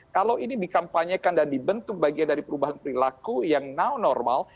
kalau ini dikampanyekan dan dibentuk bagian dari perubahan perilaku yang now normal